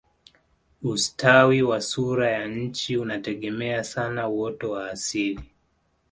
ustawi wa sura ya nchi unategemea sana uoto wa asili